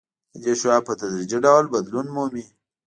د دې شعاع په تدریجي ډول بدلون مومي